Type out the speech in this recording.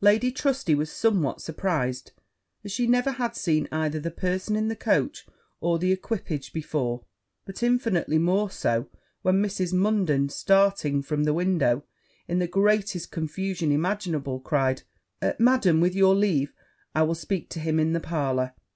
Lady Trusty was somewhat surprized, as she never had seen either the person in the coach, or the equipage, before; but infinitely more so when Mrs. Munden, starting from the window in the greatest confusion imaginable, cried, 'Madam, with your leave I will speak to him in the parlour!'